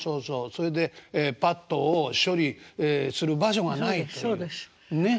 それでパッドを処理する場所がないというね。